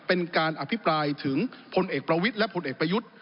เป็นการอภิปรายถึงพลเอกประวิทย์และผลเอกประยุทธ์